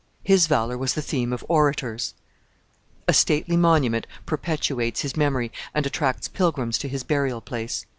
His valour was the theme of orators. A stately monument perpetuates his memory and attracts pilgrims to his burial place.